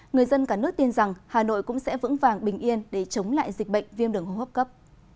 người dân cả nước tin rằng hà nội cũng sẽ vững vàng bình yên để chống lại dịch bệnh viêm đường hô hấp cấp